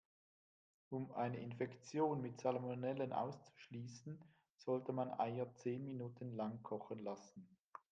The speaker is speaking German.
Um eine Infektion mit Salmonellen auszuschließen, sollte man Eier zehn Minuten lang kochen lassen.